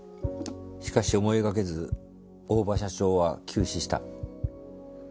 しかし思いがけず大庭社長は急死した。